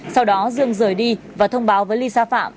sau đó dương rời đi và thông báo với lisa phạm